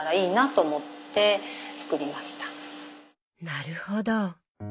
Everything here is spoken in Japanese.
なるほど。